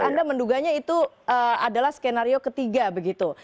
anda menduganya itu adalah skenario ketiga begitu